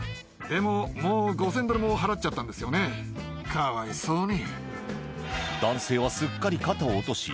かわいそうに。